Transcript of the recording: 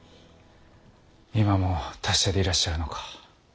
今も達者でいらっしゃるのか。